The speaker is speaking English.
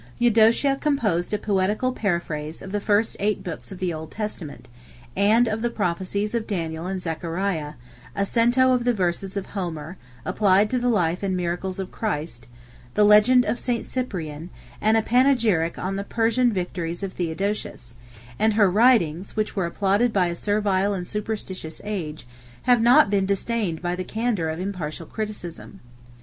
Eudocia composed a poetical paraphrase of the first eight books of the Old Testament, and of the prophecies of Daniel and Zechariah; a cento of the verses of Homer, applied to the life and miracles of Christ, the legend of St. Cyprian, and a panegyric on the Persian victories of Theodosius; and her writings, which were applauded by a servile and superstitious age, have not been disdained by the candor of impartial criticism.